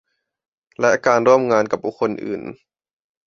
และการร่วมงานกับบุคคลอื่น